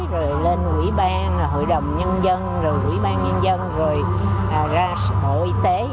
rồi lên quỹ ban hội đồng nhân dân quỹ ban nhân dân rồi ra bộ y tế